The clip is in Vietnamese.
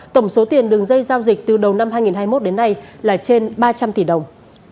tổng số tiền đường dây giao dịch từ đầu năm hai nghìn hai mươi một đến nay là trên ba trăm linh tỷ đồng